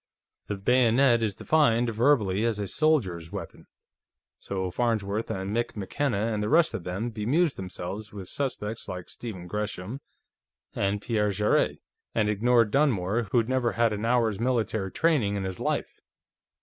The bayonet is defined, verbally, as a 'soldier's weapon,' so Farnsworth and Mick McKenna and the rest of them bemused themselves with suspects like Stephen Gresham and Pierre Jarrett, and ignored Dunmore, who'd never had an hour's military training in his life.